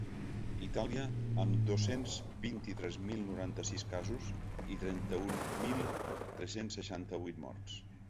Itàlia, amb dos-cents vint-i-tres mil noranta-sis casos i trenta-un mil tres-cents seixanta-vuit morts.